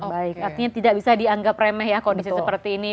baik artinya tidak bisa dianggap remeh ya kondisi seperti ini